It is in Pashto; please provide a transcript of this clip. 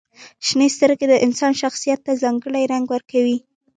• شنې سترګې د انسان شخصیت ته ځانګړې رنګ ورکوي.